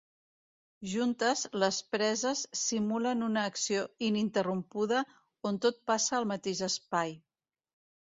Juntes, les preses simulen una acció ininterrompuda on tot passa al mateix espai.